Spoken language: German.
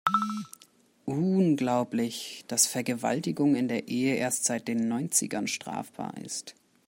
Unglaublich, dass Vergewaltigung in der Ehe erst seit den Neunzigern strafbar ist.